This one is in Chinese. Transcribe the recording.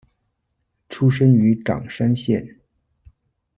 出身于冈山县。